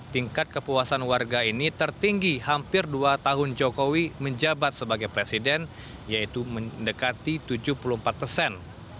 tingkat kepuasan warga ini tertinggi hampir dua tahun jokowi menjabat sebagai presiden yaitu mendekati tujuh puluh empat persen